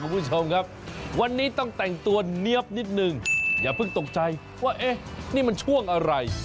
คุณผู้ชมครับวันนี้ต้องแต่งตัวเนี๊ยบนิดนึงอย่าเพิ่งตกใจว่าเอ๊ะนี่มันช่วงอะไร